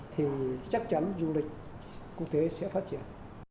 thì chắc chắn du lịch quốc tế sẽ phát triển